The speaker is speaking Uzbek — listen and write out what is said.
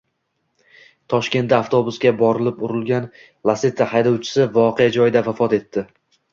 Toshkentda avtobusga borib urilgan Lacetti haydovchisi voqea joyida vafot etdi